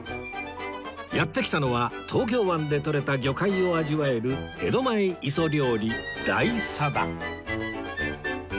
やって来たのは東京湾でとれた魚介を味わえる江戸前磯料理大定